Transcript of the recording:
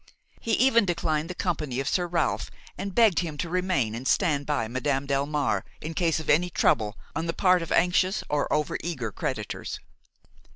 He even declined the company of Sir Ralph and begged him to remain and stand by Madame Delmare in case of any trouble on the part of anxious or over eager creditors.